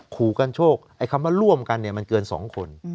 คู่กันโชคคำว่าร่วมกันมันเกิน๒คน